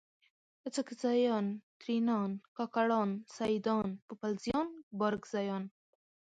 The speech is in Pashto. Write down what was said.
اڅکزیان، ترینان، کاکړان، سیدان ، پوپلزیان، بارکزیان